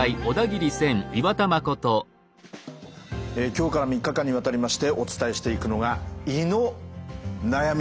今日から３日間にわたりましてお伝えしていくのが「胃の悩み」です。